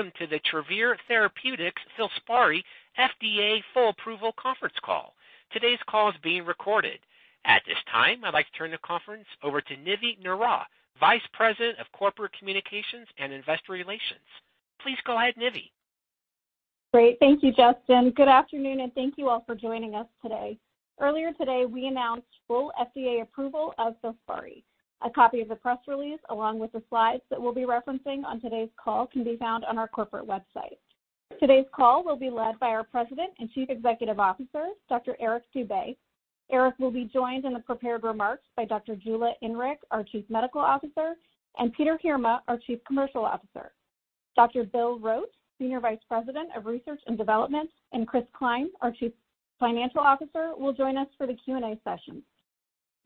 Good day, and welcome to the Travere Therapeutics Filspari FDA Full Approval Conference Call. Today's call is being recorded. At this time, I'd like to turn the conference over to Nivi Nehra, Vice President of Corporate Communications and Investor Relations. Please go ahead, Nivi. Great. Thank you, Justin. Good afternoon, and thank you all for joining us today. Earlier today, we announced full FDA approval of Filspari. A copy of the press release, along with the slides that we'll be referencing on today's call, can be found on our corporate website. Today's call will be led by our President and Chief Executive Officer, Dr. Eric Dube. Eric will be joined in the prepared remarks by Dr. Jula Inrig, our Chief Medical Officer, and Peter Heerma, our Chief Commercial Officer, Dr. Bill Rote, Senior Vice President of Research and Development, and Chris Klein, our Chief Financial Officer, will join us for the Q&A session.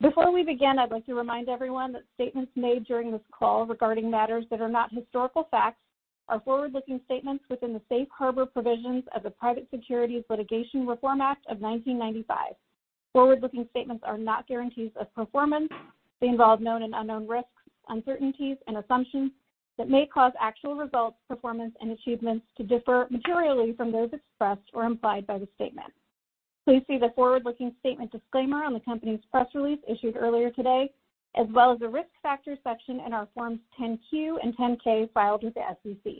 Before we begin, I'd like to remind everyone that statements made during this call regarding matters that are not historical facts are forward-looking statements within the safe harbor provisions of the Private Securities Litigation Reform Act of 1995. Forward-looking statements are not guarantees of performance. They involve known and unknown risks, uncertainties, and assumptions that may cause actual results, performance, and achievements to differ materially from those expressed or implied by the statement. Please see the forward-looking statement disclaimer on the company's press release issued earlier today, as well as the Risk Factors section in our Forms 10-Q and 10-K filed with the SEC.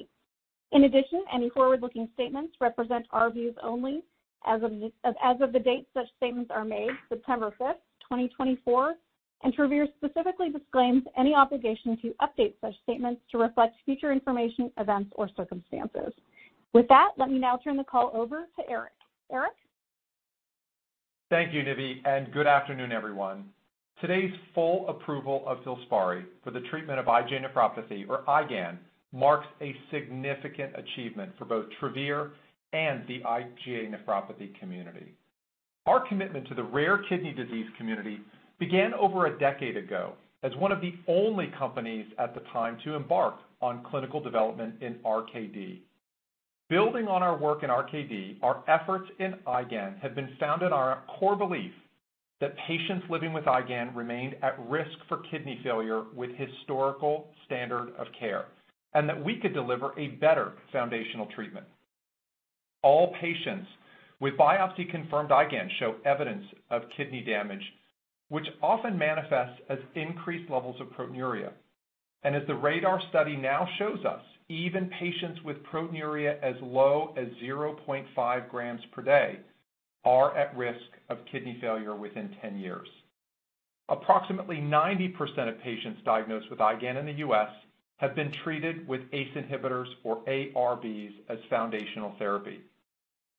In addition, any forward-looking statements represent our views only as of the date such statements are made, September fifth, twenty twenty-four, and Travere specifically disclaims any obligation to update such statements to reflect future information, events, or circumstances. With that, let me now turn the call over to Eric. Eric? Thank you, Nivi, and good afternoon, everyone. Today's full approval of Filspari for the treatment of IgA nephropathy, or IgAN, marks a significant achievement for both Travere and the IgA nephropathy community. Our commitment to the rare kidney disease community began over a decade ago as one of the only companies at the time to embark on clinical development in RKD. Building on our work in RKD, our efforts in IgAN have been found in our core belief that patients living with IgAN remained at risk for kidney failure with historical standard of care, and that we could deliver a better foundational treatment. All patients with biopsy-confirmed IgAN show evidence of kidney damage, which often manifests as increased levels of proteinuria. As the RADAR study now shows us, even patients with proteinuria as low as 0.5 g per day are at risk of kidney failure within 10 years. Approximately 90% of patients diagnosed with IgAN in the US have been treated with ACE inhibitors or ARBs as foundational therapy.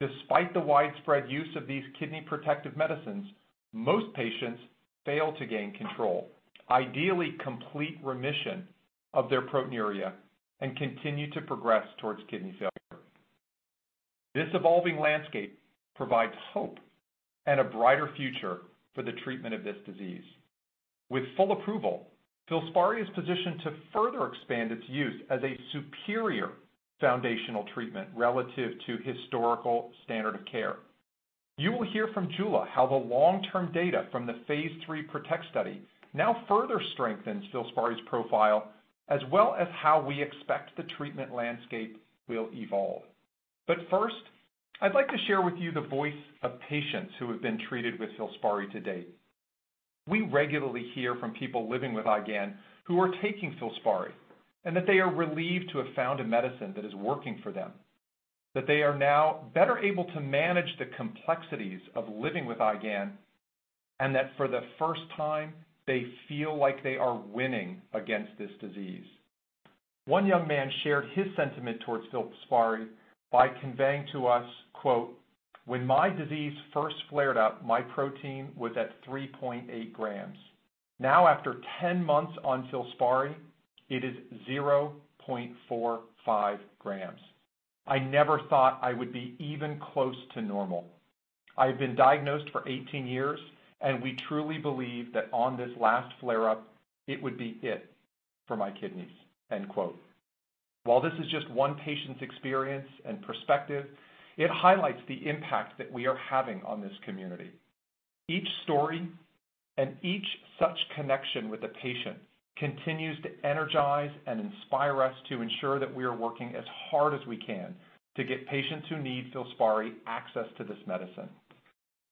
Despite the widespread use of these kidney protective medicines, most patients fail to gain control, ideally, complete remission of their proteinuria and continue to progress towards kidney failure. This evolving landscape provides hope and a brighter future for the treatment of this disease. With full approval, Filspari is positioned to further expand its use as a superior foundational treatment relative to historical standard of care. You will hear from Jula how the long-term data from the phase III PROTECT study now further strengthens Filspari's profile, as well as how we expect the treatment landscape will evolve. But first, I'd like to share with you the voice of patients who have been treated with Filspari to date. We regularly hear from people living with IgAN who are taking Filspari, and that they are relieved to have found a medicine that is working for them, that they are now better able to manage the complexities of living with IgAN, and that for the first time, they feel like they are winning against this disease. One young man shared his sentiment towards Filspari by conveying to us, quote, "When my disease first flared up, my protein was at 3.8 g. Now, after 10 months on Filspari, it is 0.45 g. I never thought I would be even close to normal. I've been diagnosed for 18 years, and we truly believe that on this last flare-up, it would be it for my kidneys." End quote. While this is just one patient's experience and perspective, it highlights the impact that we are having on this community. Each story and each such connection with a patient continues to energize and inspire us to ensure that we are working as hard as we can to get patients who need Filspari access to this medicine.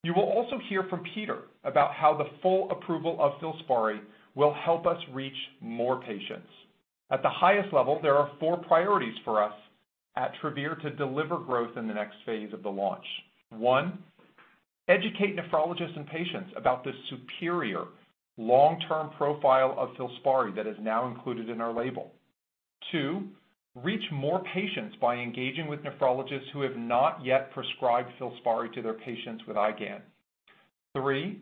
You will also hear from Peter about how the full approval of Filspari will help us reach more patients. At the highest level, there are four priorities for us at Travere to deliver growth in the next phase of the launch. One, educate nephrologists and patients about the superior long-term profile of Filspari that is now included in our label. Two, reach more patients by engaging with nephrologists who have not yet prescribed Filspari to their patients with IgAN. Three,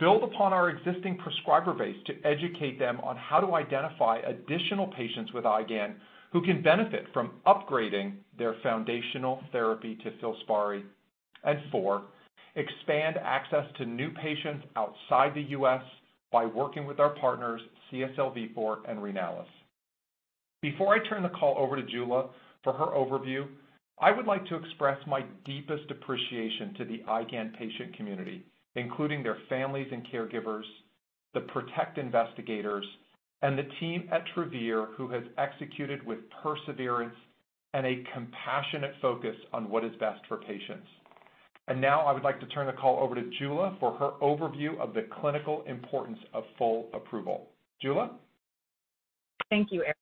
build upon our existing prescriber base to educate them on how to identify additional patients with IgAN who can benefit from upgrading their foundational therapy to Filspari. And four, expand access to new patients outside the U.S by working with our partners, CSL Vifor and Renalys. Before I turn the call over to Jula for her overview, I would like to express my deepest appreciation to the IgAN patient community, including their families and caregivers, the PROTECT investigators, and the team at Travere, who has executed with perseverance and a compassionate focus on what is best for patients. And now, I would like to turn the call over to Jula for her overview of the clinical importance of full approval. Jula? Thank you, Eric.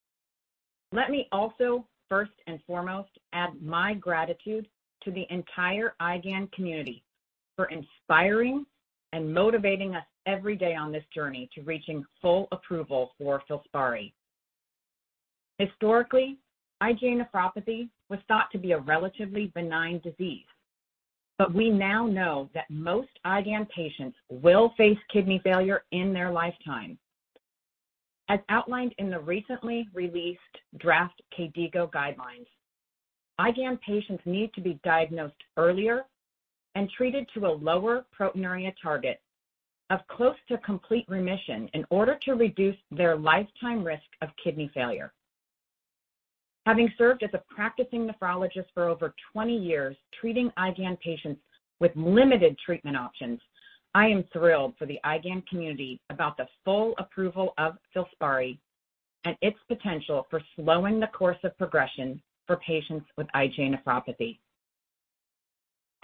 Let me also, first and foremost, add my gratitude to the entire IgAN community for inspiring and motivating us every day on this journey to reaching full approval for Filspari. Historically, IgA nephropathy was thought to be a relatively benign disease, but we now know that most IgAN patients will face kidney failure in their lifetime. As outlined in the recently released draft KDIGO guidelines, IgAN patients need to be diagnosed earlier and treated to a lower proteinuria target of close to complete remission in order to reduce their lifetime risk of kidney failure. Having served as a practicing nephrologist for over twenty years, treating IgAN patients with limited treatment options, I am thrilled for the IgAN community about the full approval of Filspari and its potential for slowing the course of progression for patients with IgA nephropathy.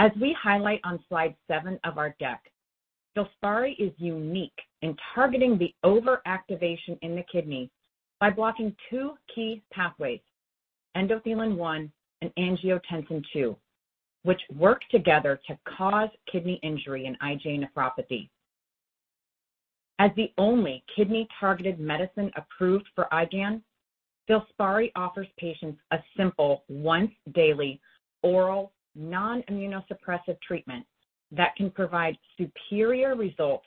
As we highlight on slide seven of our deck, Filspari is unique in targeting the overactivation in the kidney by blocking two key pathways, endothelin-1 and angiotensin II, which work together to cause kidney injury in IgA nephropathy. As the only kidney-targeted medicine approved for IgAN, Filspari offers patients a simple once-daily oral, non-immunosuppressive treatment that can provide superior results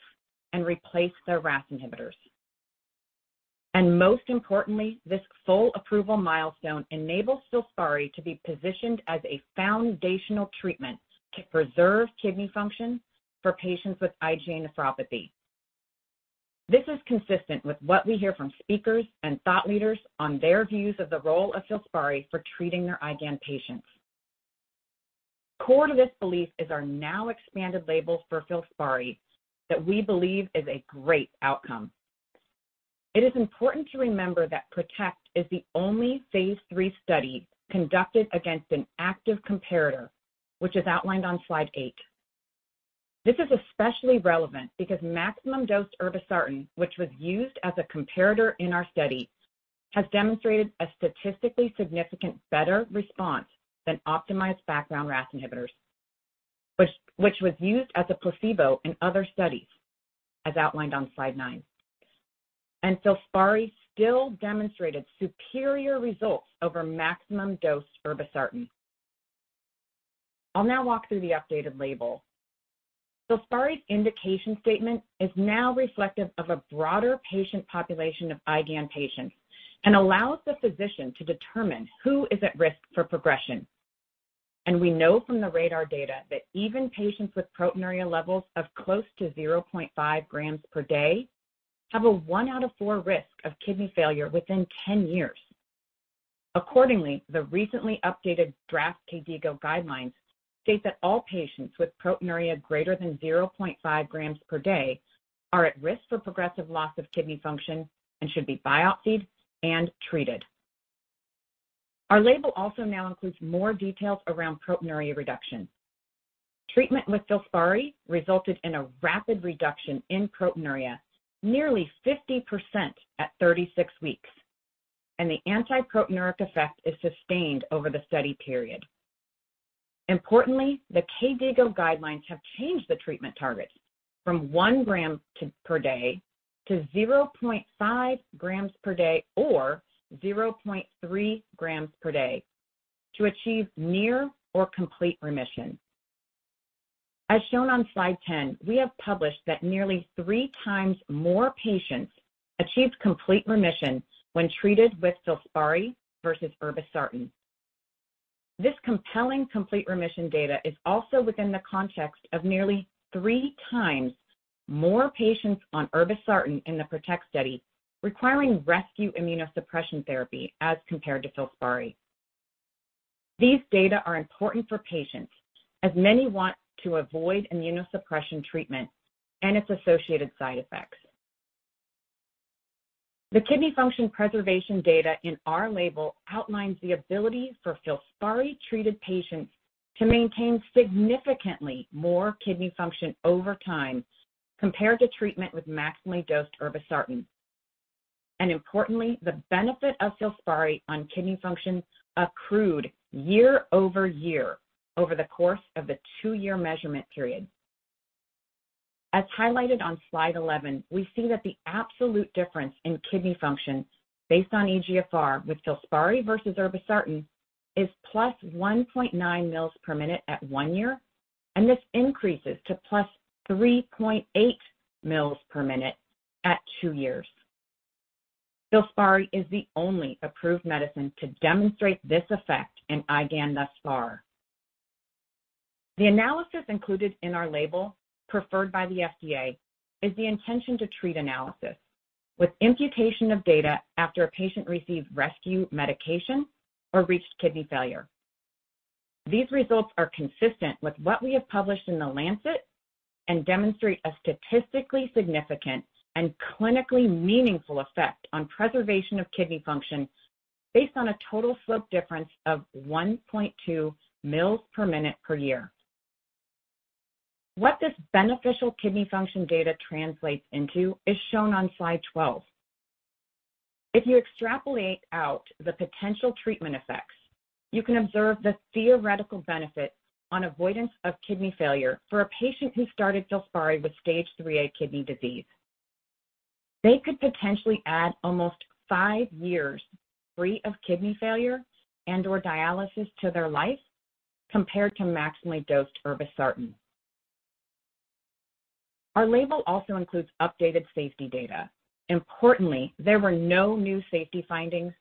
and replace their RAS inhibitors. And most importantly, this full approval milestone enables Filspari to be positioned as a foundational treatment to preserve kidney function for patients with IgA nephropathy. This is consistent with what we hear from speakers and thought leaders on their views of the role of Filspari for treating their IgAN patients. Core to this belief is our now expanded label for Filspari, that we believe is a great outcome. It is important to remember that PROTECT is the only phase III study conducted against an active comparator, which is outlined on slide eight. This is especially relevant because maximum-dose irbesartan, which was used as a comparator in our study, has demonstrated a statistically significant better response than optimized background RAS inhibitors, which was used as a placebo in other studies, as outlined on slide nine. Filspari still demonstrated superior results over maximum-dose irbesartan. I'll now walk through the updated label. Filspari's indication statement is now reflective of a broader patient population of IgAN patients and allows the physician to determine who is at risk for progression. We know from the RADAR data that even patients with proteinuria levels of close to 0.5 g per day have a one out of four risk of kidney failure within 10 years. Accordingly, the recently updated draft KDIGO guidelines state that all patients with proteinuria greater than 0.5 g per day are at risk for progressive loss of kidney function and should be biopsied and treated. Our label also now includes more details around proteinuria reduction. Treatment with Filspari resulted in a rapid reduction in proteinuria, nearly 50% at 36 weeks, and the antiproteinuric effect is sustained over the study period. Importantly, the KDIGO guidelines have changed the treatment targets from 1 g per day to 0.5 g per day or 0.3 g per day to achieve near or complete remission. As shown on slide 10, we have published that nearly three times more patients achieved complete remission when treated with Filspari versus irbesartan. This compelling complete remission data is also within the context of nearly three times more patients on irbesartan in the PROTECT study, requiring rescue immunosuppression therapy as compared to Filspari. These data are important for patients, as many want to avoid immunosuppression treatment and its associated side effects. The kidney function preservation data in our label outlines the ability for Filspari-treated patients to maintain significantly more kidney function over time, compared to treatment with maximally dosed irbesartan. Importantly, the benefit of Filspari on kidney function accrued year over year over the course of the 2-year measurement period. As highlighted on slide 11, we see that the absolute difference in kidney function based on eGFR with Filspari versus irbesartan is +1.9 mL per minute at 1 year, and this increases to +3.8 mL per minute at 2 years. Filspari is the only approved medicine to demonstrate this effect in IgAN thus far. The analysis included in our label, preferred by the FDA, is the intention to treat analysis with imputation of data after a patient receives rescue medication or reached kidney failure. These results are consistent with what we have published in The Lancet and demonstrate a statistically significant and clinically meaningful effect on preservation of kidney function, based on a total slope difference of 1.2 mL/min per year. What this beneficial kidney function data translates into is shown on slide 12. If you extrapolate out the potential treatment effects, you can observe the theoretical benefit on avoidance of kidney failure for a patient who started Filspari with stage 3A kidney disease. They could potentially add almost five years free of kidney failure and or dialysis to their life, compared to maximally dosed irbesartan. Our label also includes updated safety data. Importantly, there were no new safety findings,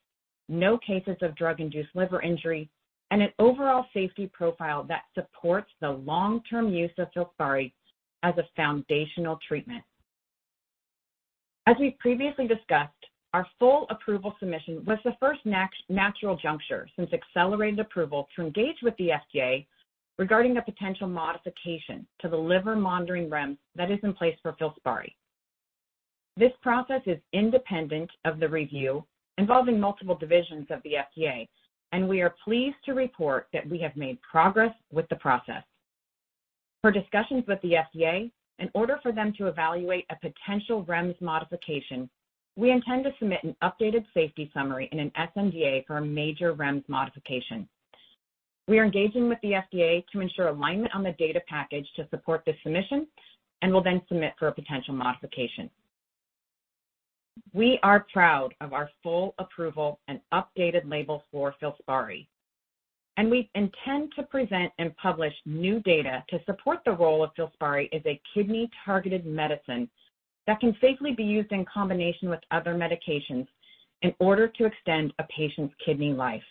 no cases of drug-induced liver injury, and an overall safety profile that supports the long-term use of Filspari as a foundational treatment. As we previously discussed, our full approval submission was the first natural juncture since accelerated approval to engage with the FDA regarding the potential modification to the liver monitoring REMS that is in place for Filspari. This process is independent of the review, involving multiple divisions of the FDA, and we are pleased to report that we have made progress with the process. Per discussions with the FDA, in order for them to evaluate a potential REMS modification, we intend to submit an updated safety summary in an sNDA for a major REMS modification. We are engaging with the FDA to ensure alignment on the data package to support this submission and will then submit for a potential modification. We are proud of our full approval and updated label for Filspari, and we intend to present and publish new data to support the role of Filspari as a kidney-targeted medicine that can safely be used in combination with other medications in order to extend a patient's kidney life.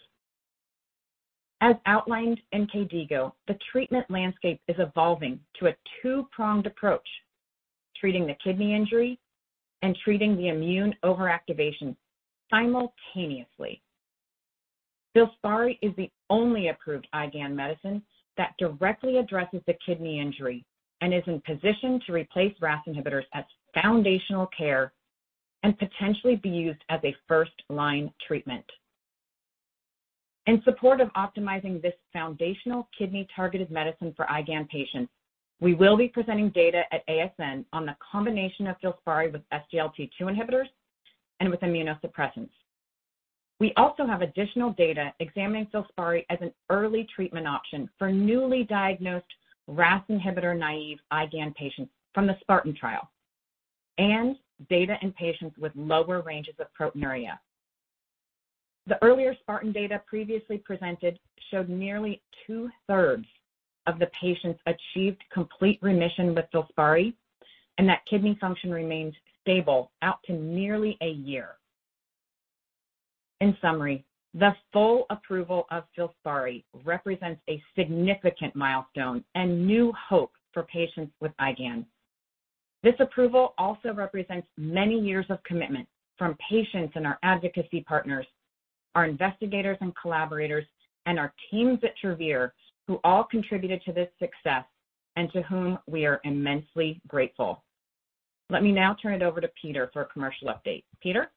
As outlined in KDIGO, the treatment landscape is evolving to a two-pronged approach, treating the kidney injury and treating the immune overactivation simultaneously. Filspari is the only approved IgAN medicine that directly addresses the kidney injury and is in position to replace RAS inhibitors as foundational care and potentially be used as a first-line treatment. In support of optimizing this foundational kidney-targeted medicine for IgAN patients, we will be presenting data at ASN on the combination of Filspari with SGLT2 inhibitors and with immunosuppressants. We also have additional data examining Filspari as an early treatment option for newly diagnosed RAS inhibitor-naive IgAN patients from the SPARTAN trial, and data in patients with lower ranges of proteinuria. The earlier SPARTAN data previously presented showed nearly two-thirds of the patients achieved complete remission with Filspari, and that kidney function remained stable out to nearly a year. In summary, the full approval of Filspari represents a significant milestone and new hope for patients with IgAN. This approval also represents many years of commitment from patients and our advocacy partners, our investigators and collaborators, and our teams at Travere, who all contributed to this success and to whom we are immensely grateful. Let me now turn it over to Peter for a commercial update. Peter?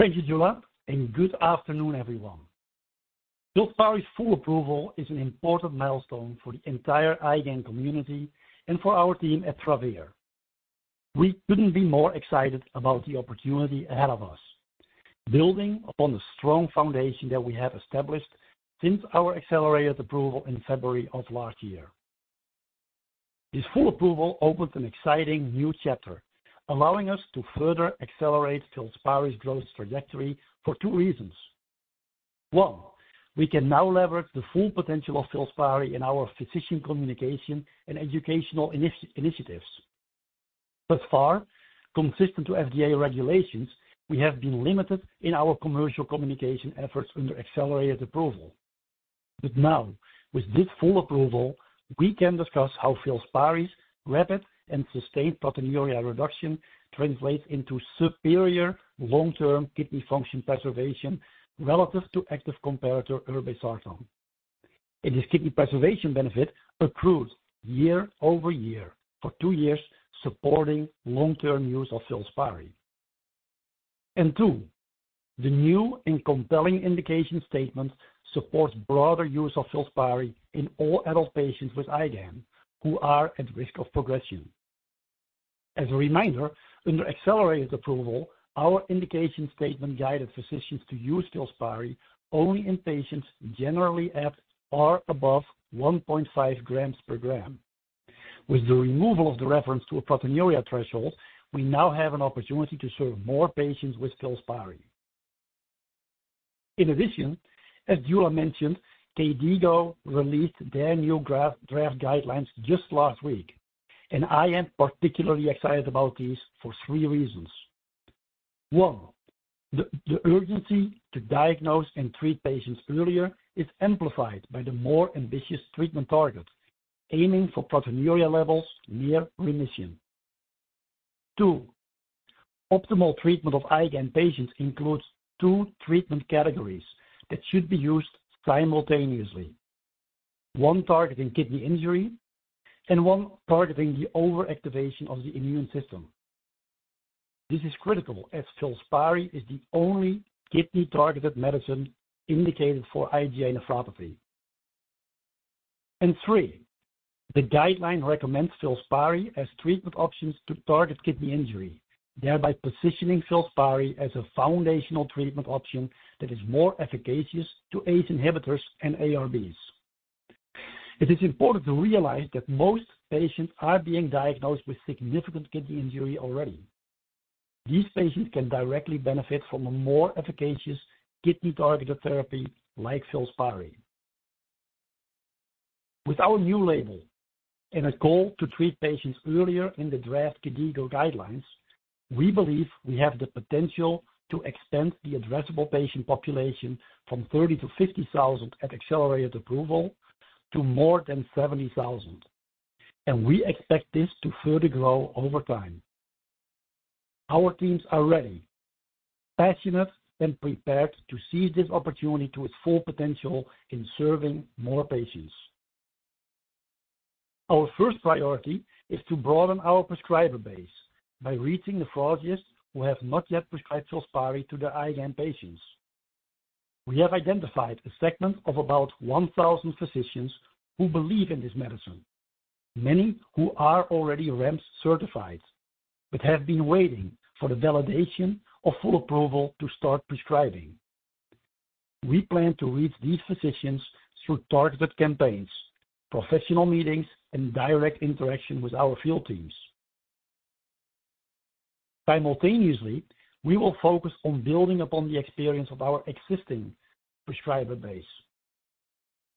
Thank you, Jula, and good afternoon, everyone. Filspari's full approval is an important milestone for the entire IgAN community and for our team at Travere. We couldn't be more excited about the opportunity ahead of us, building upon the strong foundation that we have established since our accelerated approval in February of last year. This full approval opens an exciting new chapter, allowing us to further accelerate Filspari's growth trajectory for two reasons. One, we can now leverage the full potential of Filspari in our physician communication and educational initiatives. Thus far, consistent to FDA regulations, we have been limited in our commercial communication efforts under accelerated approval. But now, with this full approval, we can discuss how Filspari's rapid and sustained proteinuria reduction translates into superior long-term kidney function preservation relative to active comparator Irbesartan, and this kidney preservation benefit accrues year over year for two years, supporting long-term use of Filspari. And two, the new and compelling indication statement supports broader use of Filspari in all adult patients with IgAN who are at risk of progression. As a reminder, under accelerated approval, our indication statement guided physicians to use Filspari only in patients generally at or above one point five g per g. With the removal of the reference to a proteinuria threshold, we now have an opportunity to serve more patients with Filspari. In addition, as Jula mentioned, KDIGO released their new draft guidelines just last week, and I am particularly excited about these for three reasons. One, the urgency to diagnose and treat patients earlier is amplified by the more ambitious treatment targets, aiming for proteinuria levels near remission. Two, optimal treatment of IgAN patients includes two treatment categories that should be used simultaneously. One targeting kidney injury and one targeting the overactivation of the immune system. This is critical, as Filspari is the only kidney-targeted medicine indicated for IgA nephropathy. And three, the guideline recommends Filspari as treatment options to target kidney injury, thereby positioning Filspari as a foundational treatment option that is more efficacious to ACE inhibitors and ARBs. It is important to realize that most patients are being diagnosed with significant kidney injury already. These patients can directly benefit from a more efficacious kidney-targeted therapy like Filspari. With our new label and a goal to treat patients earlier in the draft KDIGO guidelines, we believe we have the potential to extend the addressable patient population from 30 to 50 thousand at accelerated approval to more than 70 thousand, and we expect this to further grow over time. Our teams are ready, passionate, and prepared to seize this opportunity to its full potential in serving more patients. Our first priority is to broaden our prescriber base by reaching nephrologists who have not yet prescribed Filspari to their IgAN patients. We have identified a segment of about 1,000 physicians who believe in this medicine, many who are already REMS-certified, but have been waiting for the validation of full approval to start prescribing. We plan to reach these physicians through targeted campaigns, professional meetings, and direct interaction with our field teams. Simultaneously, we will focus on building upon the experience of our existing prescriber base.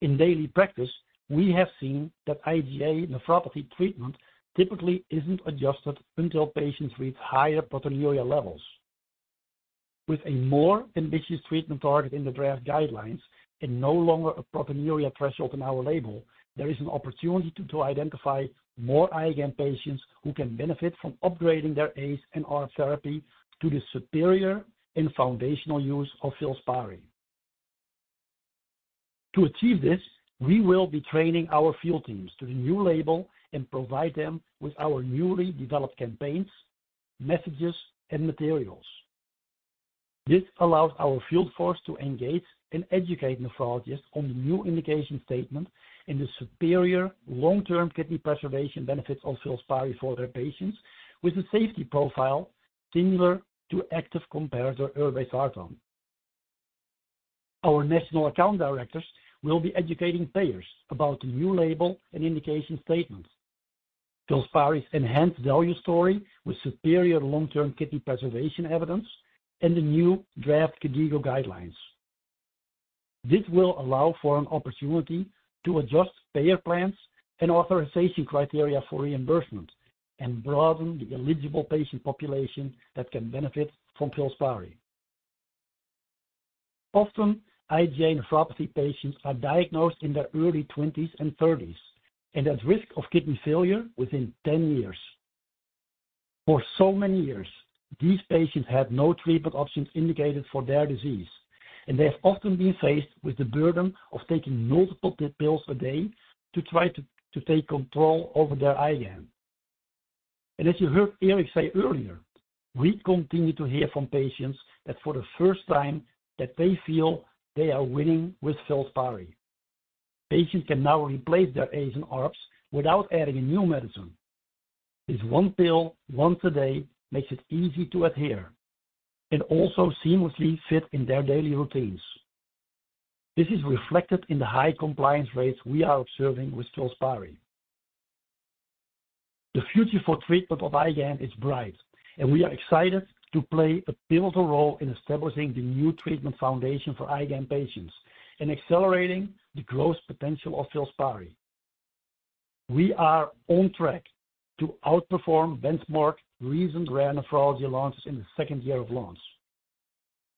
In daily practice, we have seen that IgA nephropathy treatment typically isn't adjusted until patients reach higher proteinuria levels. With a more ambitious treatment target in the draft guidelines and no longer a proteinuria threshold in our label, there is an opportunity to identify more IgAN patients who can benefit from upgrading their ACE and ARB therapy to the superior and foundational use of Filspari. To achieve this, we will be training our field teams to the new label and provide them with our newly developed campaigns, messages, and materials. This allows our field force to engage and educate nephrologists on the new indication statement and the superior long-term kidney preservation benefits of Filspari for their patients, with a safety profile similar to active comparator irbesartan. Our national account directors will be educating payers about the new label and indication statements, Filspari's enhanced value story with superior long-term kidney preservation evidence, and the new draft KDIGO guidelines. This will allow for an opportunity to adjust payer plans and authorization criteria for reimbursement and broaden the eligible patient population that can benefit from Filspari. Often, IgA nephropathy patients are diagnosed in their early twenties and thirties, and at risk of kidney failure within ten years. For so many years, these patients had no treatment options indicated for their disease, and they have often been faced with the burden of taking multiple pills a day to try to take control over their IgAN. As you heard Eric say earlier, we continue to hear from patients that for the first time, that they feel they are winning with Filspari. Patients can now replace their ACE and ARBs without adding a new medicine. This one pill, once a day, makes it easy to adhere and also seamlessly fit in their daily routines. This is reflected in the high compliance rates we are observing with Filspari. The future for treatment of IgAN is bright, and we are excited to play a pivotal role in establishing the new treatment foundation for IgAN patients and accelerating the growth potential of Filspari. We are on track to outperform benchmark recent rare nephrology launches in the second year of launch,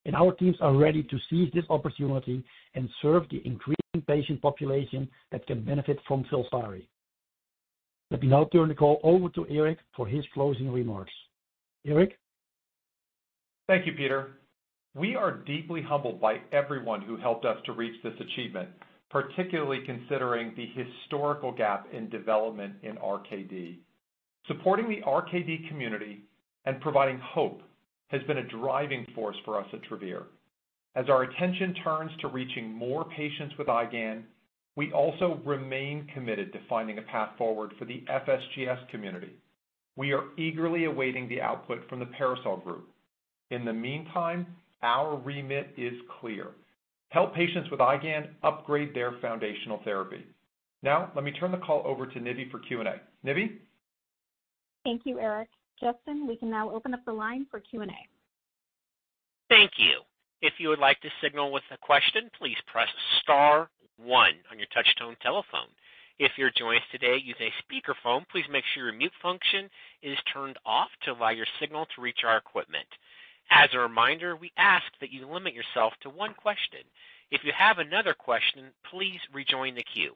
and our teams are ready to seize this opportunity and serve the increasing patient population that can benefit from Filspari. Let me now turn the call over to Eric for his closing remarks. Eric? Thank you, Peter. We are deeply humbled by everyone who helped us to reach this achievement, particularly considering the historical gap in development in RKD. Supporting the RKD community and providing hope has been a driving force for us at Travere. As our attention turns to reaching more patients with IgAN, we also remain committed to finding a path forward for the FSGS community. We are eagerly awaiting the output from the PARASOL group. In the meantime, our remit is clear, help patients with IgAN upgrade their foundational therapy. Now, let me turn the call over to Nivi for Q&A. Nivi? Thank you, Eric. Justin, we can now open up the line for Q&A. Thank you. If you would like to signal with a question, please press star one on your touchtone telephone. If you're joining us today using a speakerphone, please make sure your mute function is turned off to allow your signal to reach our equipment. As a reminder, we ask that you limit yourself to one question. If you have another question, please rejoin the queue.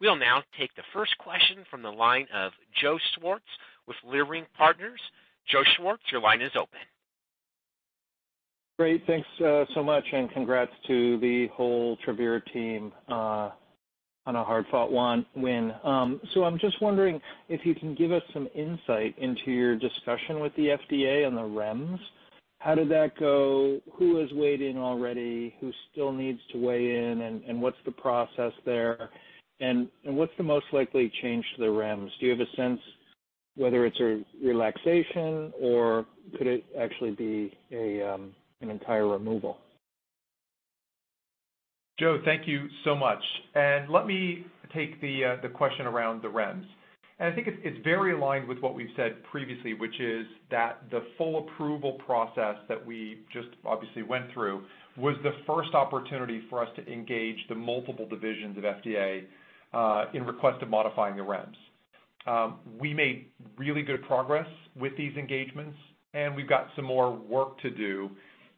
We'll now take the first question from the line of Joe Schwartz with Leerink Partners. Joe Schwartz, your line is open. Great, thanks so much, and congrats to the whole Travere team on a hard-fought win. So I'm just wondering if you can give us some insight into your discussion with the FDA on the REMS. How did that go? Who has weighed in already? Who still needs to weigh in, and what's the process there? And what's the most likely change to the REMS? Do you have a sense whether it's a relaxation, or could it actually be an entire removal? Joe, thank you so much. And let me take the the question around the REMS. And I think it's it's very aligned with what we've said previously, which is that the full approval process that we just obviously went through was the first opportunity for us to engage the multiple divisions of FDA in request of modifying the REMS. We made really good progress with these engagements, and we've got some more work to do.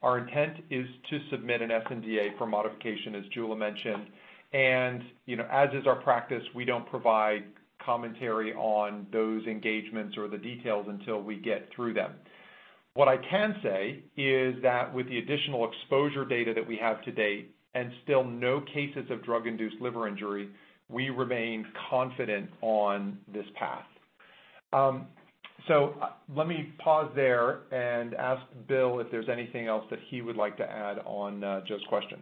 Our intent is to submit an sNDA for modification, as Julie mentioned, and you know as is our practice, we don't provide commentary on those engagements or the details until we get through them. What I can say is that with the additional exposure data that we have to date, and still no cases of drug-induced liver injury, we remain confident on this path. So, let me pause there and ask Bill if there's anything else that he would like to add on Joe's question.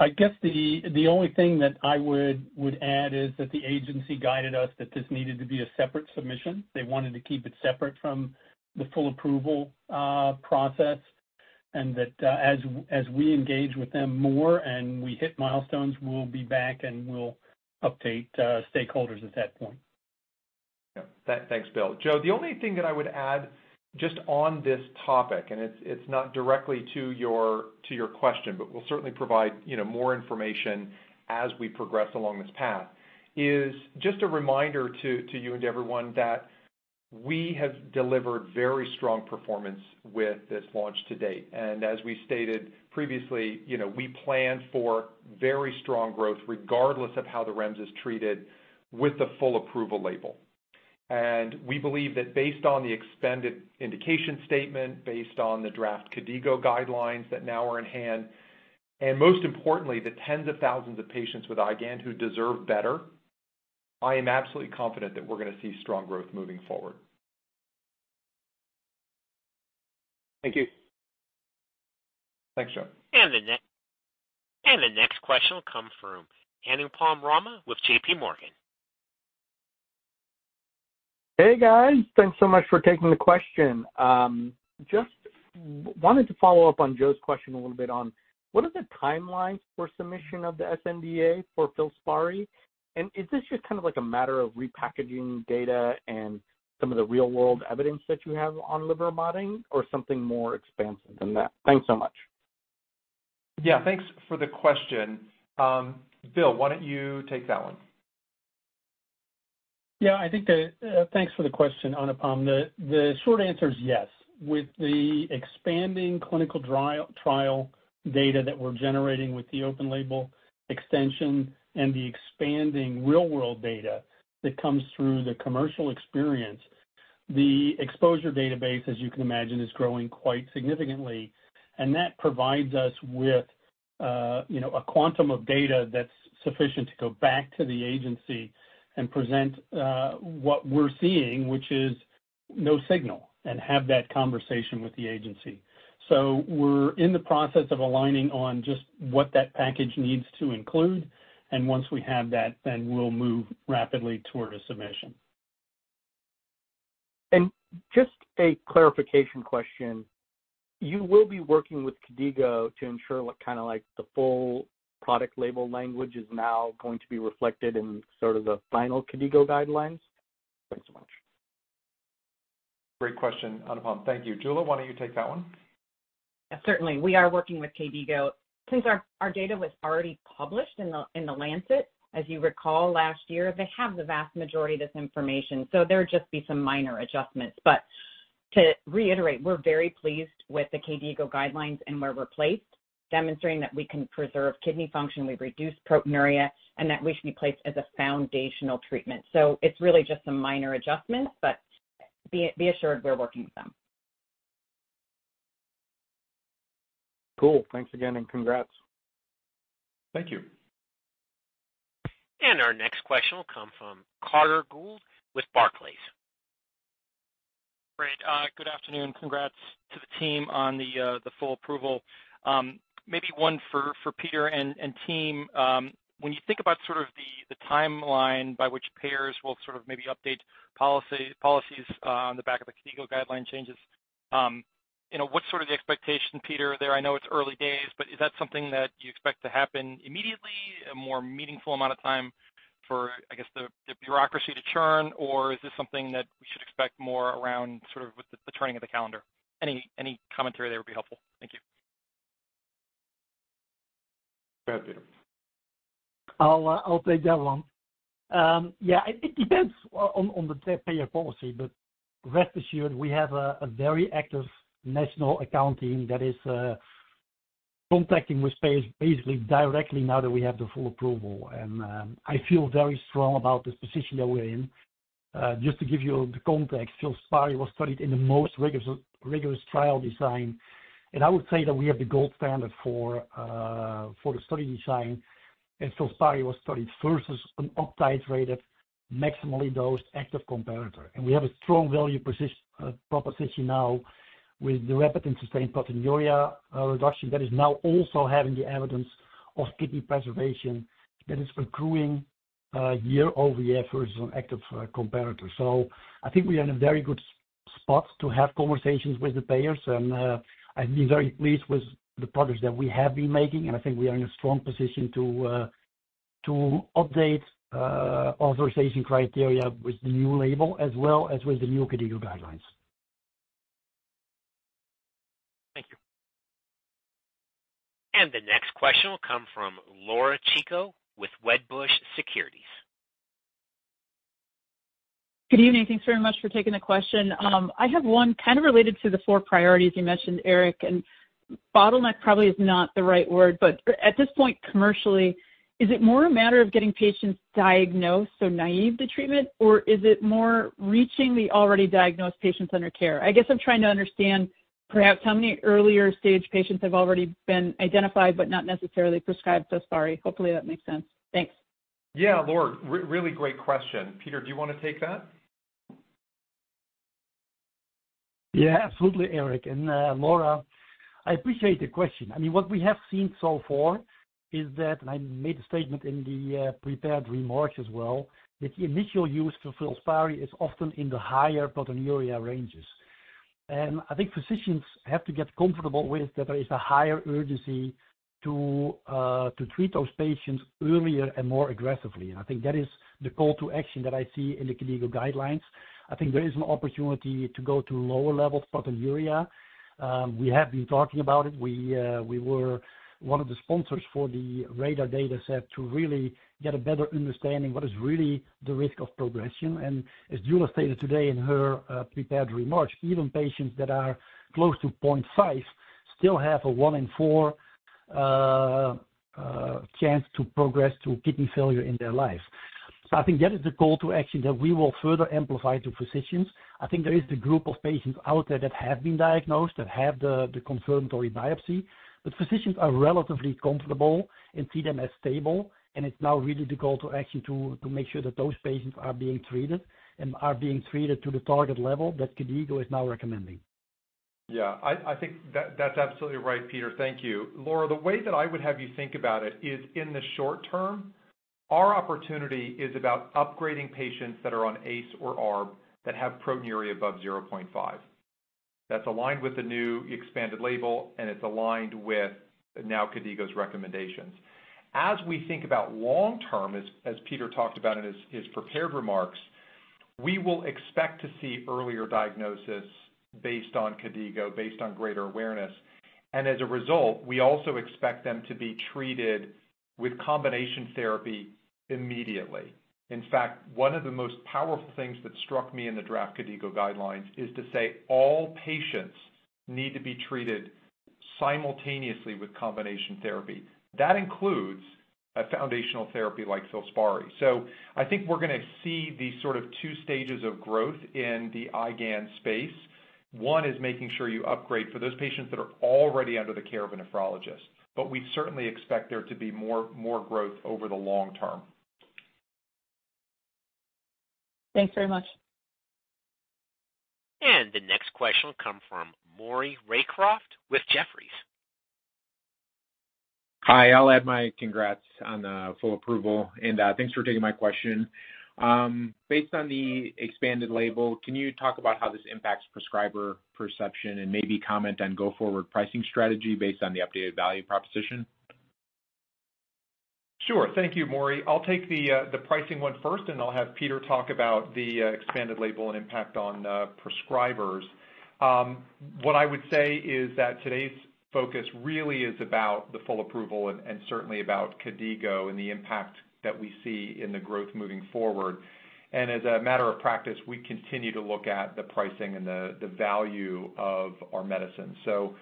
I guess the only thing that I would add is that the agency guided us that this needed to be a separate submission. They wanted to keep it separate from the full approval process, and that as we engage with them more and we hit milestones, we'll be back and we'll update stakeholders at that point. Yeah. Thanks, Bill. Joe, the only thing that I would add just on this topic, and it's not directly to your question, but we'll certainly provide, you know, more information as we progress along this path, is just a reminder to you and everyone that we have delivered very strong performance with this launch to date. And as we stated previously, you know, we plan for very strong growth regardless of how the REMS is treated with the full approval label. And we believe that based on the expanded indication statement, based on the draft KDIGO guidelines that now are in hand, and most importantly, the tens of thousands of patients with IgAN who deserve better, I am absolutely confident that we're gonna see strong growth moving forward. Thank you. Thanks, Joe. The next question will come from Anupam Rama with J.P. Morgan. Hey, guys! Thanks so much for taking the question. Just wanted to follow up on Joe's question a little bit on what are the timelines for submission of the sNDA for Filspari? And is this just kind of like a matter of repackaging data and some of the real-world evidence that you have on liver modeling, or something more expansive than that? Thanks so much. Yeah, thanks for the question. Bill, why don't you take that one? Yeah, I think. Thanks for the question, Anupam. The short answer is yes. With the expanding clinical trial data that we're generating with the open label extension and the expanding real-world data that comes through the commercial experience, the exposure database, as you can imagine, is growing quite significantly. And that provides us with, you know, a quantum of data that's sufficient to go back to the agency and present what we're seeing, which is no signal, and have that conversation with the agency. So we're in the process of aligning on just what that package needs to include, and once we have that, then we'll move rapidly toward a submission. Just a clarification question, you will be working with KDIGO to ensure what kind of, like, the full product label language is now going to be reflected in sort of the final KDIGO guidelines? Thanks so much. Great question, Anupam. Thank you. Jula, why don't you take that one? Certainly. We are working with KDIGO. Since our data was already published in the Lancet, as you recall, last year, they have the vast majority of this information, so there would just be some minor adjustments. But to reiterate, we're very pleased with the KDIGO guidelines and where we're placed, demonstrating that we can preserve kidney function, we reduce proteinuria, and that we should be placed as a foundational treatment. So it's really just some minor adjustments, but be assured we're working with them. Cool. Thanks again, and congrats. Thank you. Our next question will come from Carter Gould with Barclays. Great. Good afternoon. Congrats to the team on the full approval. Maybe one for Peter and team. When you think about sort of the timeline by which payers will sort of maybe update policies on the back of the KDIGO guideline changes, you know, what's sort of the expectation, Peter, there? I know it's early days, but is that something that you expect to happen immediately, a more meaningful amount of time for, I guess, the bureaucracy to churn, or is this something that we should expect more around sort of with the turning of the calendar? Any commentary there would be helpful. Thank you.... I'll take that one. Yeah, it depends on the payer policy, but rest assured, we have a very active national account team that is contacting payers basically directly now that we have the full approval. I feel very strong about this position that we're in. Just to give you the context, Filspari was studied in the most rigorous trial design, and I would say that we have the gold standard for the study design. Filspari was studied first as an uptitrated, maximally dosed active comparator. We have a strong value proposition now with the rapid and sustained proteinuria reduction that is now also having the evidence of kidney preservation that is accruing year-over-year versus an active comparator. So I think we are in a very good spot to have conversations with the payers. And, I've been very pleased with the progress that we have been making, and I think we are in a strong position to update authorization criteria with the new label as well as with the new KDIGO guidelines. Thank you. And the next question will come from Laura Chico with Wedbush Securities. Good evening. Thanks very much for taking the question. I have one kind of related to the four priorities you mentioned, Eric, and bottleneck probably is not the right word, but at this point, commercially, is it more a matter of getting patients diagnosed, so naive to treatment, or is it more reaching the already diagnosed patients under care? I guess I'm trying to understand perhaps how many earlier-stage patients have already been identified but not necessarily prescribed Filspari. Hopefully, that makes sense. Thanks. Yeah, Laura, really great question. Peter, do you want to take that? Yeah, absolutely, Eric. And, Laura, I appreciate the question. I mean, what we have seen so far is that, and I made a statement in the prepared remarks as well, that the initial use for Filspari is often in the higher proteinuria ranges. And I think physicians have to get comfortable with that there is a higher urgency to treat those patients earlier and more aggressively. And I think that is the call to action that I see in the KDIGO guidelines. I think there is an opportunity to go to lower levels proteinuria. We have been talking about it. We were one of the sponsors for the RADAR data set to really get a better understanding what is really the risk of progression. And as Jula stated today in her prepared remarks, even patients that are close to point five still have a one in four chance to progress to kidney failure in their life. So I think that is the call to action that we will further amplify to physicians. I think there is the group of patients out there that have been diagnosed, that have the confirmatory biopsy, but physicians are relatively comfortable and see them as stable. And it's now really the call to action to make sure that those patients are being treated and are being treated to the target level that KDIGO is now recommending. Yeah, I think that's absolutely right, Peter. Thank you. Laura, the way that I would have you think about it is, in the short term, our opportunity is about upgrading patients that are on ACE or ARB, that have proteinuria above 0.5. That's aligned with the new expanded label, and it's aligned with now KDIGO's recommendations. As we think about long term, as Peter talked about in his prepared remarks, we will expect to see earlier diagnosis based on KDIGO, based on greater awareness, and as a result, we also expect them to be treated with combination therapy immediately. In fact, one of the most powerful things that struck me in the draft KDIGO guidelines is to say all patients need to be treated simultaneously with combination therapy. That includes a foundational therapy like Filspari. So I think we're gonna see these sort of two stages of growth in the IgAN space. One is making sure you upgrade for those patients that are already under the care of a nephrologist, but we certainly expect there to be more, more growth over the long term. Thanks very much. The next question will come from Maury Raycroft with Jefferies. Hi, I'll add my congrats on the full approval, and thanks for taking my question. Based on the expanded label, can you talk about how this impacts prescriber perception and maybe comment on go-forward pricing strategy based on the updated value proposition? Sure. Thank you, Maury. I'll take the pricing one first, and I'll have Peter talk about the expanded label and impact on prescribers. What I would say is that today's focus really is about the full approval and certainly about KDIGO and the impact that we see in the growth moving forward, and as a matter of practice, we continue to look at the pricing and the value of our medicine, so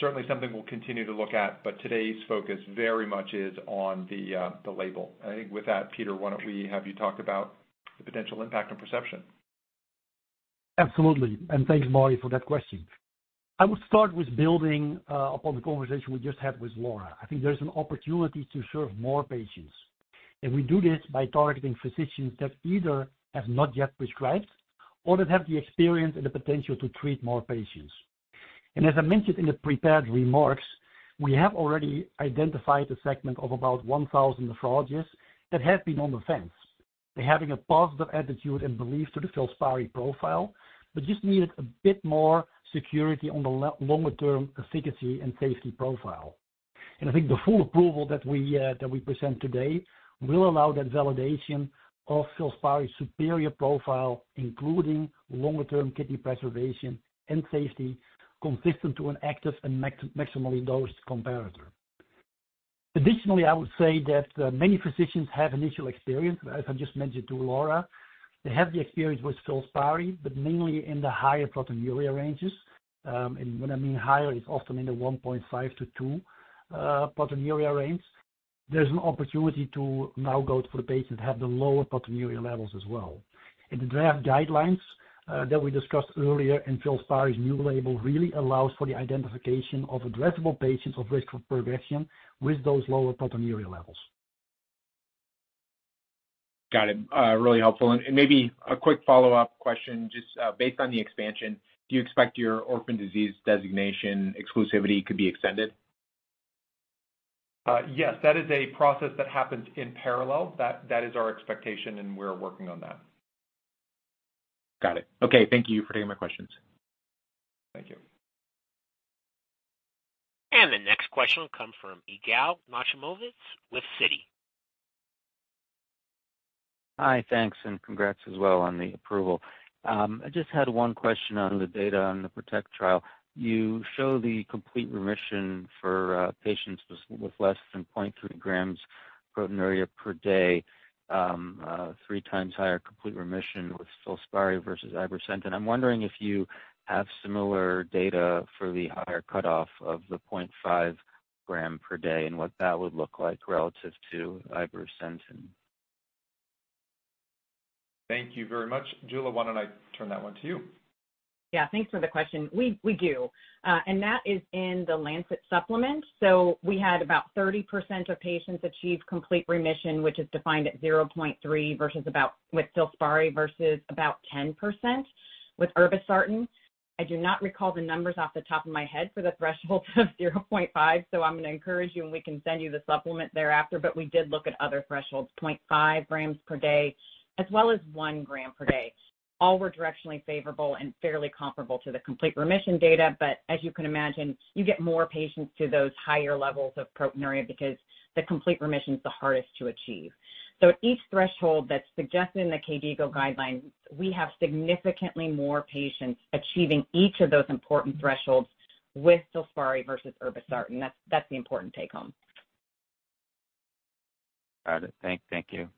certainly something we'll continue to look at, but today's focus very much is on the label. I think with that, Peter, why don't we have you talk about the potential impact on perception? Absolutely. And thanks, Maury, for that question. I would start with building upon the conversation we just had with Laura. I think there's an opportunity to serve more patients, and we do this by targeting physicians that either have not yet prescribed or that have the experience and the potential to treat more patients. And as I mentioned in the prepared remarks, we have already identified a segment of about one thousand nephrologists that have been on the fence. They're having a positive attitude and belief to the Filspari profile, but just needed a bit more security on the longer-term efficacy and safety profile. And I think the full approval that we present today will allow that validation of Filspari's superior profile, including longer-term kidney preservation and safety, consistent to an active and maximally dosed comparator.... Additionally, I would say that many physicians have initial experience, as I just mentioned to Laura. They have the experience with Filspari, but mainly in the higher proteinuria ranges, and when I mean higher, it's often in the 1.5-2 proteinuria range. There's an opportunity to now go for the patients who have the lower proteinuria levels as well. In the draft guidelines that we discussed earlier, and Filspari's new label really allows for the identification of addressable patients at risk for progression with those lower proteinuria levels. Got it. Really helpful, and maybe a quick follow-up question. Just based on the expansion, do you expect your orphan disease designation exclusivity could be extended? Yes, that is a process that happens in parallel. That is our expectation, and we're working on that. Got it. Okay. Thank you for taking my questions. Thank you. The next question will come from Yigal Nochomovitz with Citi. Hi, thanks, and congrats as well on the approval. I just had one question on the data on the PROTECT trial. You show the complete remission for patients with less than 0.3 g proteinuria per day, three times higher complete remission with Filspari versus irbesartan. I'm wondering if you have similar data for the higher cutoff of the 0.5 g per day and what that would look like relative to irbesartan. Thank you very much. Jula, why don't I turn that one to you? Yeah, thanks for the question. We do, and that is in the Lancet supplement. So we had about 30% of patients achieve complete remission, which is defined at 0.3 versus about with Filspari versus about 10% with irbesartan. I do not recall the numbers off the top of my head for the threshold of 0.5, so I'm gonna encourage you, and we can send you the supplement thereafter, but we did look at other thresholds, 0.5 g per day as well as 1 g per day. All were directionally favorable and fairly comparable to the complete remission data. But as you can imagine, you get more patients to those higher levels of proteinuria because the complete remission is the hardest to achieve. So, each threshold that's suggested in the KDIGO guidelines, we have significantly more patients achieving each of those important thresholds with Filspari versus Irbesartan. That's the important take-home. Got it. Thank you.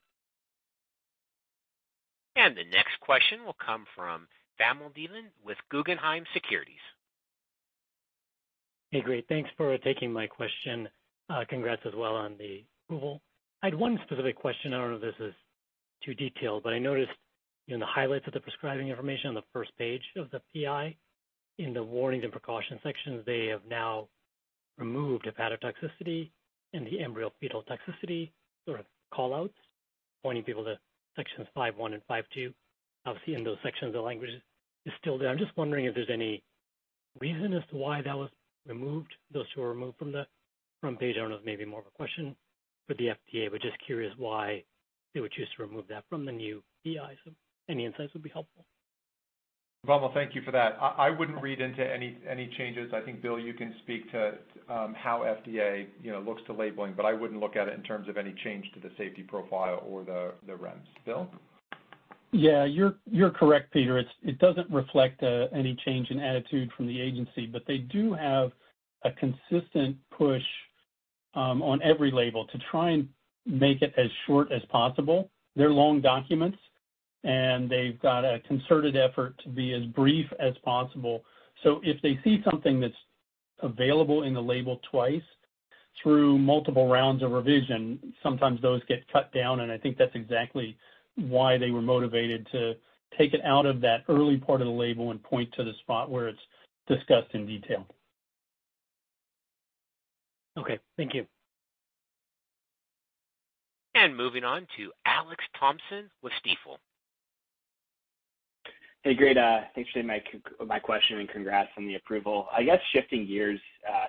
The next question will come from Vamil Divan with Guggenheim Securities. Hey, great. Thanks for taking my question. Congrats as well on the approval. I had one specific question. I don't know if this is too detailed, but I noticed in the highlights of the prescribing information on the first page of the PI, in the warnings and precautions sections, they have now removed hepatotoxicity and the embryo-fetal toxicity sort of call-outs, pointing people to sections five one and five two. Obviously, in those sections, the language is still there. I'm just wondering if there's any reason as to why that was removed, those two were removed from the front page. I don't know, it may be more of a question for the FDA, but just curious why they would choose to remove that from the new PIs. Any insights would be helpful. Vamil, thank you for that. I wouldn't read into any changes. I think, Bill, you can speak to how FDA, you know, looks to labeling, but I wouldn't look at it in terms of any change to the safety profile or the REMS. Bill? Yeah, you're correct, Peter. It doesn't reflect any change in attitude from the agency, but they do have a consistent push on every label to try and make it as short as possible. They're long documents, and they've got a concerted effort to be as brief as possible. So if they see something that's available in the label twice through multiple rounds of revision, sometimes those get cut down, and I think that's exactly why they were motivated to take it out of that early part of the label and point to the spot where it's discussed in detail. Okay, thank you. Moving on to Alex Thompson with Stifel. Hey, great. Thanks for taking my question and congrats on the approval. I guess shifting gears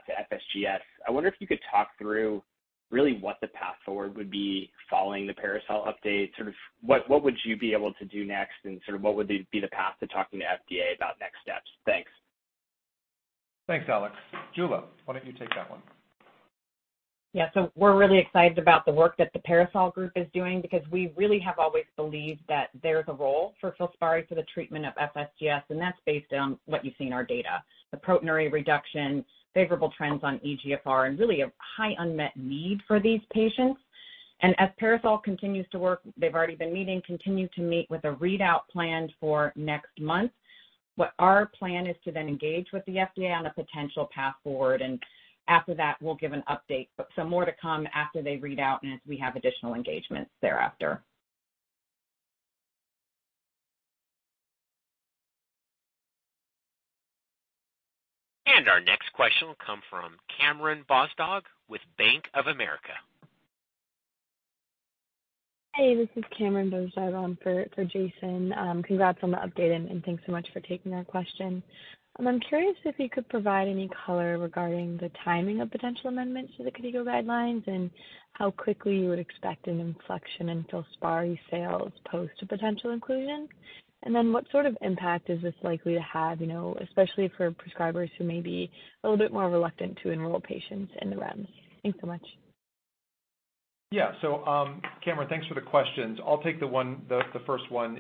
to FSGS, I wonder if you could talk through really what the path forward would be following the PARASOL update. Sort of what would you be able to do next, and sort of what would be the path to talking to FDA about next steps? Thanks. Thanks, Alex. Jula, why don't you take that one? Yeah, so we're really excited about the work that the PARASOL group is doing because we really have always believed that there's a role for Filspari for the treatment of FSGS, and that's based on what you see in our data. The proteinuria reduction, favorable trends on eGFR, and really a high unmet need for these patients. And as PARASOL continues to work, they've already been meeting, continue to meet with a readout planned for next month. What our plan is to then engage with the FDA on a potential path forward, and after that, we'll give an update. But some more to come after they read out and as we have additional engagements thereafter. And our next question will come from Cameron Bozdog with Bank of America. Hey, this is Cameron Bozdog on for Jason. Congrats on the update and thanks so much for taking our question. I'm curious if you could provide any color regarding the timing of potential amendments to the KDIGO guidelines and how quickly you would expect an inflection in Filspari sales post a potential inclusion. And then what sort of impact is this likely to have, you know, especially for prescribers who may be a little bit more reluctant to enroll patients in the REMS? Thanks so much. ... Yeah. So, Cameron, thanks for the questions. I'll take the first one.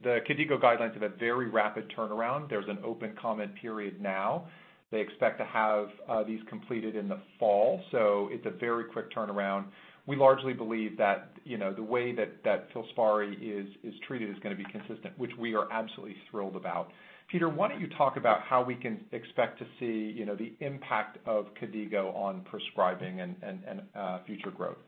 The KDIGO guidelines have a very rapid turnaround. There's an open comment period now. They expect to have these completed in the fall, so it's a very quick turnaround. We largely believe that, you know, the way that Filspari is treated is gonna be consistent, which we are absolutely thrilled about. Peter, why don't you talk about how we can expect to see, you know, the impact of KDIGO on prescribing and future growth?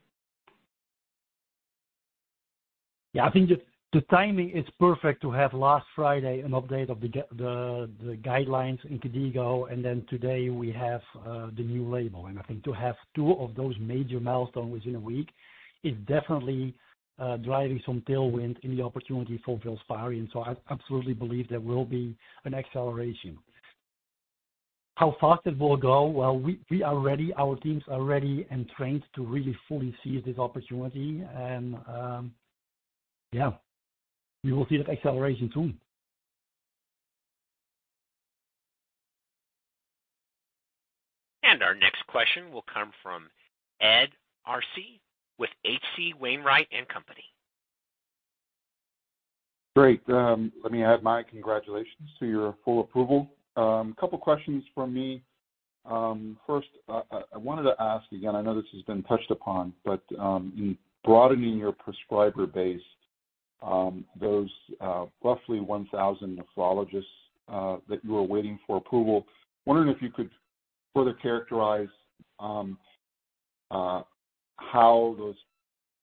Yeah, I think the timing is perfect to have last Friday an update of the guidelines in KDIGO, and then today we have the new label. I think to have two of those major milestones within a week is definitely driving some tailwind in the opportunity for Filspari. So I absolutely believe there will be an acceleration. How fast it will go? Well, we are ready, our teams are ready and trained to really fully seize this opportunity. Yeah, we will see that acceleration soon. And our next question will come from Ed Arce with H.C. Wainwright & Co Great. Let me add my congratulations to your full approval. A couple questions from me. First, I wanted to ask, again, I know this has been touched upon, but in broadening your prescriber base, those roughly one thousand nephrologists that you were waiting for approval, wondering if you could further characterize how those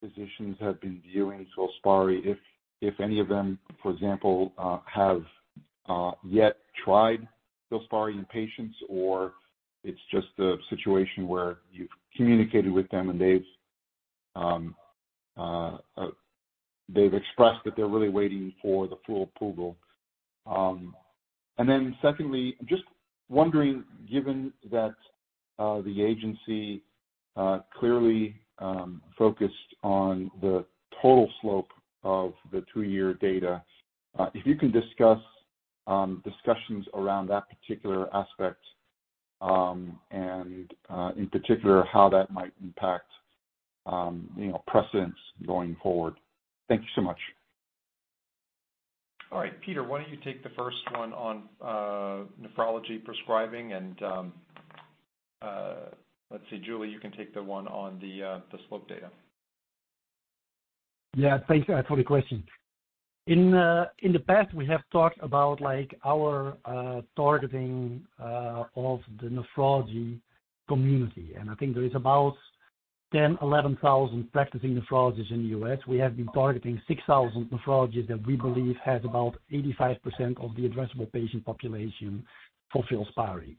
physicians have been viewing Filspari, if any of them, for example, have yet tried Filspari in patients, or it's just a situation where you've communicated with them and they've expressed that they're really waiting for the full approval. And then secondly, just wondering, given that the agency clearly focused on the total slope of the two-year data, if you can discuss discussions around that particular aspect, and in particular, how that might impact, you know, precedents going forward. Thank you so much. All right, Peter, why don't you take the first one on nephrology prescribing and, let's see, Jula, you can take the one on the slope data. Yeah. Thanks for the question. In the past, we have talked about, like, our targeting of the nephrology community, and I think there is about 10, 11 thousand practicing nephrologists in the US. We have been targeting six thousand nephrologists that we believe has about 85% of the addressable patient population for Filspari.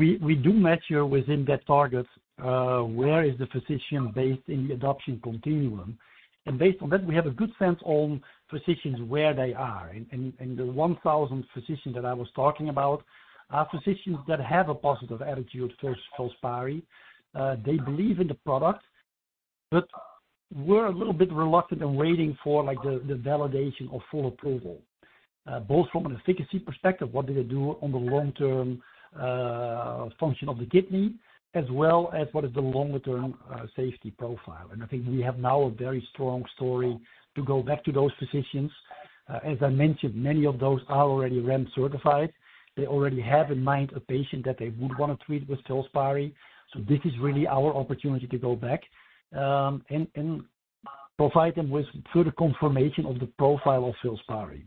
We do measure within that target where the physician is based in the adoption continuum. And based on that, we have a good sense on physicians, where they are. And the 1,000 physicians that I was talking about are physicians that have a positive attitude towards Filspari. They believe in the product, but we're a little bit reluctant in waiting for, like, the validation of full approval. Both from an efficacy perspective, what do they do on the long-term function of the kidney, as well as what is the longer-term safety profile? And I think we have now a very strong story to go back to those physicians. As I mentioned, many of those are already REMS-certified. They already have in mind a patient that they would want to treat with Filspari. So this is really our opportunity to go back and provide them with further confirmation of the profile of Filspari.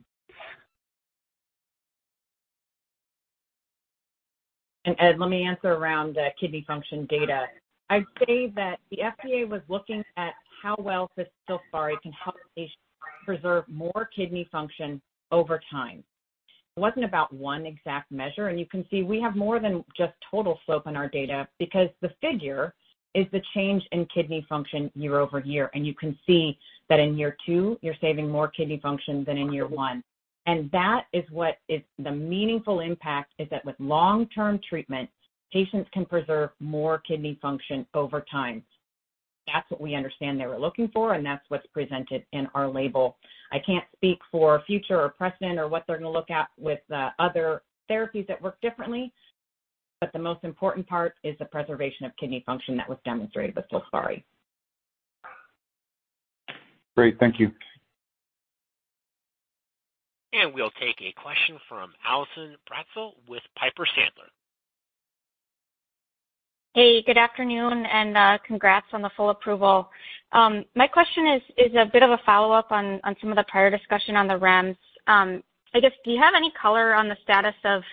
Ed, let me answer around the kidney function data. I'd say that the FDA was looking at how well Filspari can help patients preserve more kidney function over time. It wasn't about one exact measure, and you can see we have more than just total slope in our data because the figure is the change in kidney function year over year. You can see that in year two, you're saving more kidney function than in year one. That is what is the meaningful impact, is that with long-term treatment, patients can preserve more kidney function over time. That's what we understand they were looking for, and that's what's presented in our label. I can't speak for future or precedent or what they're going to look at with, other therapies that work differently, but the most important part is the preservation of kidney function that was demonstrated with Filspari. Great. Thank you. We'll take a question from Allison Bratzel with Piper Sandler. Hey, good afternoon, and congrats on the full approval. My question is a bit of a follow-up on some of the prior discussion on the REMS. I guess, do you have any color on the status of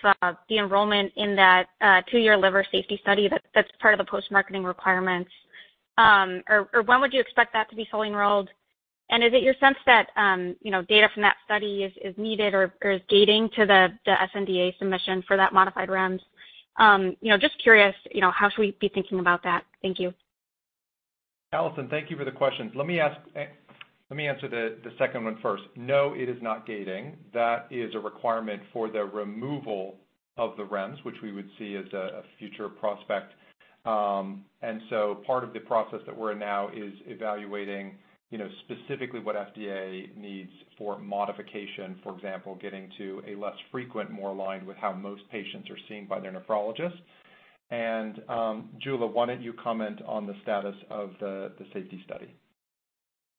the enrollment in that two-year liver safety study that's part of the post-marketing requirements? Or, when would you expect that to be fully enrolled? And is it your sense that, you know, data from that study is needed or is gating to the SNDA submission for that modified REMS? You know, just curious, you know, how should we be thinking about that? Thank you. Allison, thank you for the question. Let me answer the second one first. No, it is not gating. That is a requirement for the removal of the REMS, which we would see as a future prospect. And so part of the process that we're in now is evaluating, you know, specifically what FDA needs for modification. For example, getting to a less frequent, more aligned with how most patients are seen by their nephrologist. And, Jula, why don't you comment on the status of the safety study?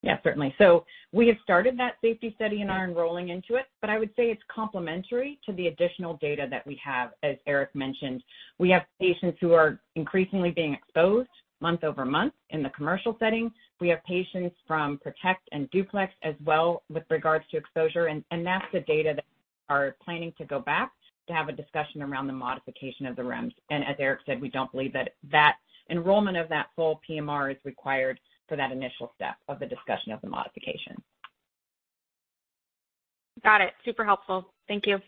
Yeah, certainly. So we have started that safety study and are enrolling into it, but I would say it's complementary to the additional data that we have, as Eric mentioned. We have patients who are increasingly being exposed month over month in the commercial setting. We have patients from PROTECT and DUPLEX as well with regards to exposure, and that's the data that we are planning to go back to have a discussion around the modification of the REMS. And as Eric said, we don't believe that that enrollment of that full PMR is required for that initial step of the discussion of the modification. Got it. Super helpful. Thank you.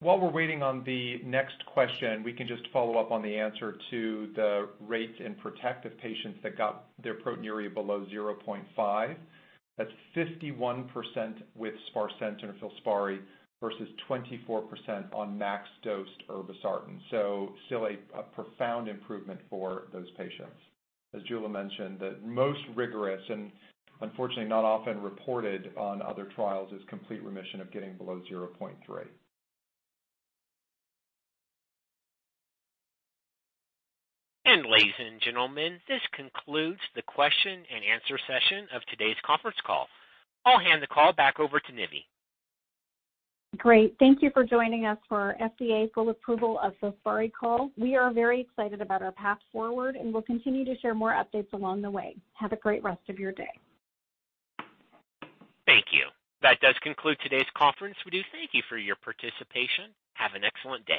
While we're waiting on the next question, we can just follow up on the answer to the rates in PROTECT of patients that got their proteinuria below 0.5. That's 51% with sparsentan or Filspari versus 24% on max dosed irbesartan. So still a profound improvement for those patients. As Jula mentioned, the most rigorous and unfortunately not often reported on other trials, is complete remission of getting below 0.3. Ladies and gentlemen, this concludes the question and answer session of today's conference call. I'll hand the call back over to Nivi. Great. Thank you for joining us for our FDA full approval of Filspari call. We are very excited about our path forward, and we'll continue to share more updates along the way. Have a great rest of your day. Thank you. That does conclude today's conference. We do thank you for your participation. Have an excellent day.